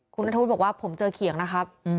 คุณนัทธวุฒิบอกว่าผมเจอเขียงนะครับ